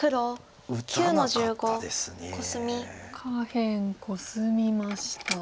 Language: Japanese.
下辺コスみました。